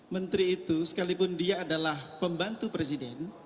menteri itu sekalipun dia adalah pembantu presiden